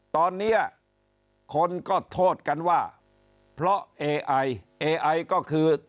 ตอนนี้คนก็โทษกันว่าเพราะเอไอเอไอก็คือ